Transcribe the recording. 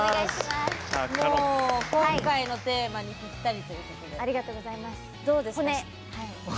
今回のテーマにぴったりということで。